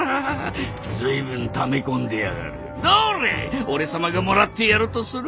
随分ため込んでやがる。